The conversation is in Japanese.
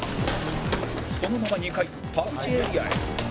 そのまま２階田渕エリアへ